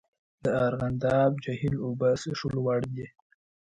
د ارغنداب جهیل اوبه څښلو وړ دي؟